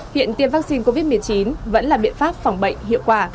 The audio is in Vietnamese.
hiện tiêm vaccine covid một mươi chín vẫn là biện pháp phòng bệnh hiệu quả